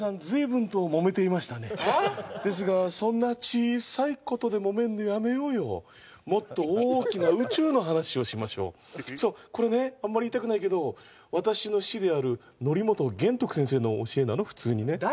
ずいぶんとモメていましたねですがそんな小さいことでモメんのやめようよもっと大きな宇宙の話をしましょうそうこれねあんまり言いたくないけど私の師であるノリモトゲントク先生の教えなの普通にね